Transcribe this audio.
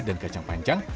dan kacang pancang